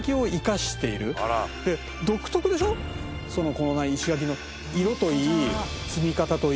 この石垣の色といい積み方といい。